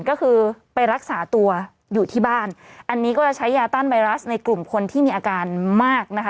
ก็คือไปรักษาตัวอยู่ที่บ้านอันนี้ก็จะใช้ยาต้านไวรัสในกลุ่มคนที่มีอาการมากนะคะ